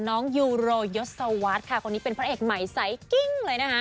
น้องยูโรยสวัสค่ะคนนี้เป็นพระเอกใหม่ใส่กิ้งเลยนะคะ